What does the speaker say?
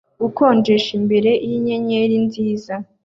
gukonjesha imbere yinyenyeri nziza